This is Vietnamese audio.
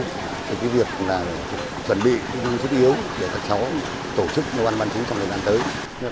thì cái việc là chuẩn bị chức yếu để các cháu tổ chức đoàn bán chú trong lần đàn tới